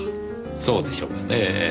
そうでしょうかねぇ。